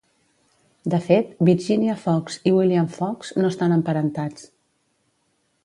De fet, Virginia Fox i William Fox no estan emparentats.